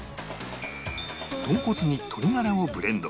豚骨に鶏ガラをブレンド